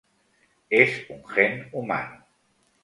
Es un gen humano.